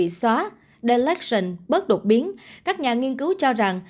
trong thời gian ngắn hơn có thể có thể có khả năng kháng vaccine cao hơn